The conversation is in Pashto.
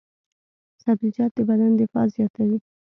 سبزیجات د بدن دفاع زیاتوي.